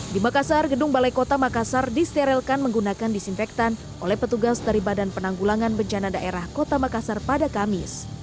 di makassar gedung balai kota makassar disterilkan menggunakan disinfektan oleh petugas dari badan penanggulangan bencana daerah kota makassar pada kamis